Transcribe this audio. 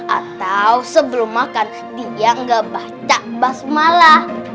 atau sebelum makan dia gak baca basmala